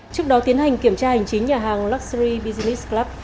trước đó tiến hành kiểm tra hành chính nhà hàng luxury business club